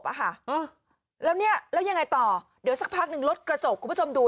อ่ะค่ะแล้วเนี่ยแล้วยังไงต่อเดี๋ยวสักพักหนึ่งรถกระจกคุณผู้ชมดู